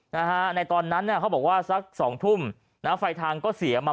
นะฮะในตอนนั้นเขาบอกว่าสัก๒๐๐๐นน้ำไฟทางก็เสียออกมา